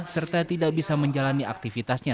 serta tidak bisa menjalani aktivitasnya